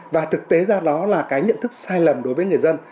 và thực tế ra đó là cái nhận thức sai lầm đối với người dân